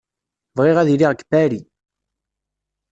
Bɣiɣ ad iliɣ deg Paris.